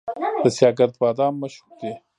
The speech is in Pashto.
د سیاه ګرد بادام مشهور دي